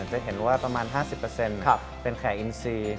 จะเห็นว่าประมาณ๕๐เป็นแขกอินซี